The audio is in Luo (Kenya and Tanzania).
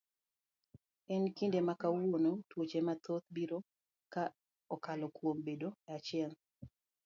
E kinde makawuono tuoche mathoth biro ka okalo kuom bedo e achiel.